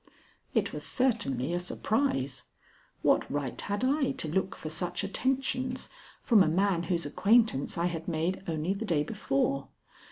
It was certainly a surprise. What right had I to look for such attentions from a man whose acquaintance I had made only the day before?